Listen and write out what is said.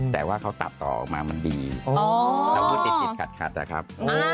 แต่ว่าเขาตัดต่อมามันดีเราพูดติดติดขัดขัดล่ะครับ